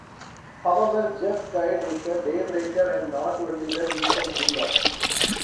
However, Jeff Caird is a daybreaker, and not only that, he's an immer.